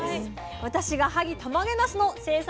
私が萩たまげなすの生産